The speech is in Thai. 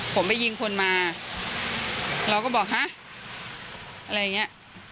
ผมไปยิงคนมาเราก็บอกฮะอะไรอย่างเงี้ย